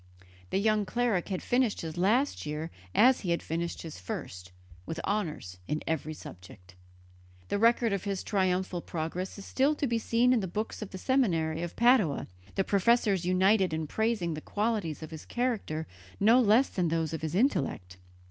The young cleric had finished his last year as he had finished his first, with honours in every subject. The record of his triumphal progress is still to be seen in the books of the seminary of Padua, the professors united in praising the qualities of his character no less than those of his intellect.